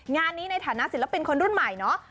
งานนี้ในฐานะศิลปินคนรุ่นใหม่เนาะ